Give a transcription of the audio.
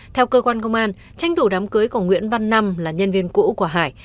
theo cơ quan công an tranh thủ đám cưới của nguyễn văn năm là nhân viên cũ của hải